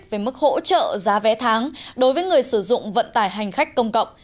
về mức hỗ trợ giá vé tháng đối với người sử dụng vận tải hành khách công cộng